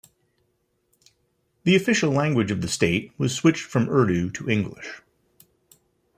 The official language of the state was switched from Urdu to English.